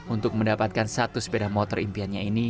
untuk mendapatkan satu sepeda motor impiannya ini